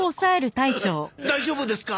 大丈夫ですか？